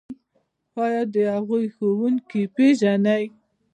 ایا د هغوی ښوونکي پیژنئ؟